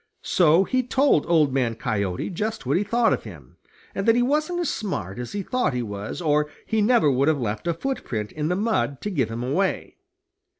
So he told Old Man Coyote just what he thought of him, and that he wasn't as smart as he thought he was or he never would have left a footprint in the mud to give him away.